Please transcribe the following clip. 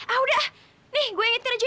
ah udah nih gue ngitir aja ya